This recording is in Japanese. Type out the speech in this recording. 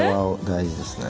大事ですね